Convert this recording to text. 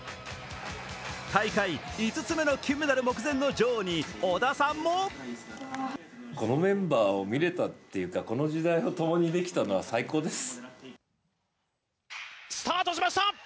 大会５つ目の金メダル目前の女王に織田さんもこのメンバーを見れたというか、この時代を共にできたのは最高です。